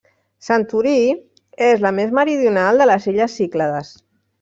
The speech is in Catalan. Santorí és la més meridional de les illes Cíclades.